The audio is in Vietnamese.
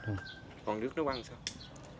còn nước nấu ăn sao